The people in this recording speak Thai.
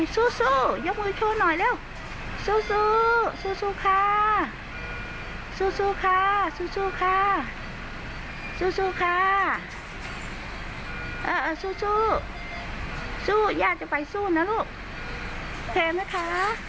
สู้สู้สู้ย่าจะไปสู้นะลูกเทมนะคะ